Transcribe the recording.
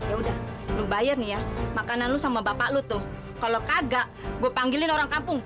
ya udah lu bayar nih ya makanan lu sama bapak lu tuh kalau kagak gue panggilin orang kampung